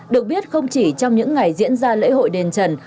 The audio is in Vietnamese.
được biết không chỉ trong những ngày diễn ra lễ hội đền trần